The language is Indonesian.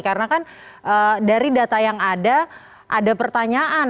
karena kan dari data yang ada ada pertanyaan